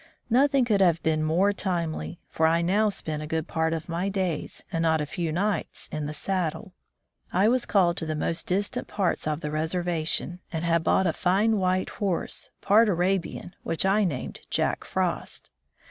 Nothing could have been more timely, for I now spent a good part of my days and not a few nights in the saddle. I was called to the most distant parts of the reservation, and had bought a fine white horse, part Arabian, which I named ''Jack Frost."